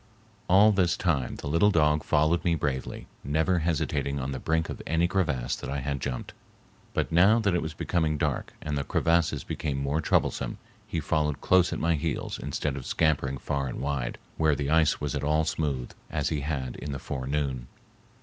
All this time the little dog followed me bravely, never hesitating on the brink of any crevasse that I had jumped, but now that it was becoming dark and the crevasses became more troublesome, he followed close at my heels instead of scampering far and wide, where the ice was at all smooth, as he had in the forenoon.